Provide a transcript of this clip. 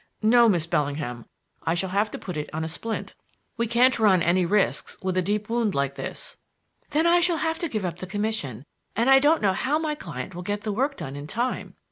"No, Miss Bellingham. I shall have to put it on a splint. We can't run any risks with a deep wound like this." "Then I shall have to give up the commission, and I don't know how my client will get the work done in time.